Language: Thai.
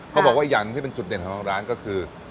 เขาบอกว่าอย่างที่เป็นจุดเด่นของทางร้านก็คือ